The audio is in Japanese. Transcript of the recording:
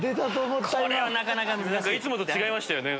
いつもと違いましたよね。